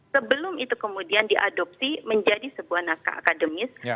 sebelum itu kemudian diadopsi menjadi sebuah naskah akademis